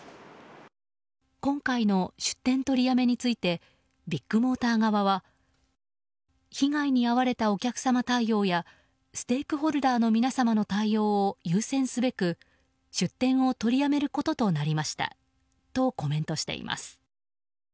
今回の出店取りやめについてビッグモーター側は被害に遭われたお客様対応やステークホルダーの皆さんの対応を優先すべく出店を取りやめることとなりましたとコメントしています。